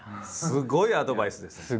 すごいアドバイスで。